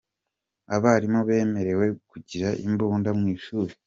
Abarimu bemerewe kugira imbunda mu ishuri